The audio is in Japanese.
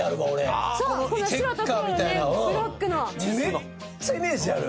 めっちゃイメージある。